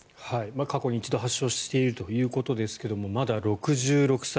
過去に一度発症しているということですがまだ６６歳。